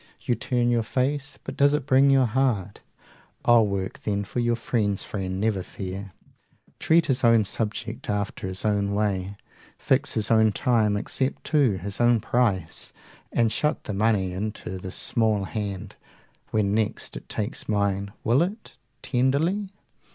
You turn your face, but does it bring your heart? I'll work then for your friend's friend, never fear, 5 Treat his own subject after his own way, Fix his own time, accept too his own price, And shut the money into this small hand When next it takes mine. Will it? tenderly?